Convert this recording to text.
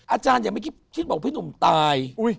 อาจารย์อย่าไม่คิดบอกพี่หนุ่มตาย